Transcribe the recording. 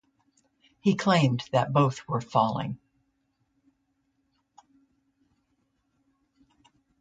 He claimed that both were falling.